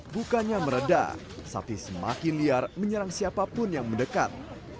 bukannya meredah sapi semakin liar menyerang siapapun yang mendekat